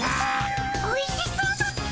おいしそうだっピ。